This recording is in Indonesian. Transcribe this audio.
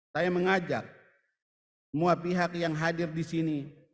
saya mengajak semua pihak yang hadir di sini